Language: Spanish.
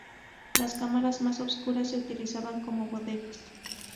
Las cámaras más obscuras se utilizaban como bodegas.